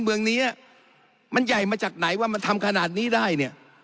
เมืองนี้มันใหญ่มาจากไหนว่ามันทำขนาดนี้ได้เนี่ย